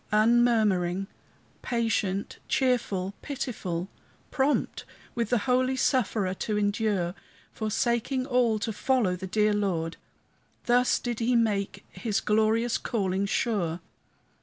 Unmurmuring, patient, cheerful, pitiful, Prompt with the holy sufferer to endure, Forsaking all to follow the dear Lord, Thus did he make his glorious calling sure.